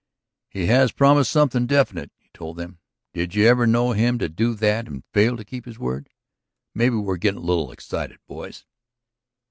"He has promised something definite," he told them. "Did you ever know him to do that and fail to keep his word? Maybe we're getting a little excited, boys."